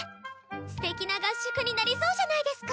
ステキな合宿になりそうじゃないですか。